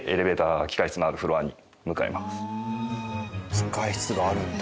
機械室があるんだ。